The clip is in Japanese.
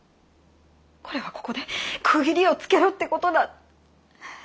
これはここで区切りをつけろって事だ。